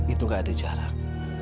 itu nggak ada jarak